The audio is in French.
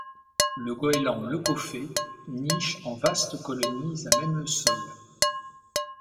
Le goéland leucophée niche en vastes colonies à même le sol.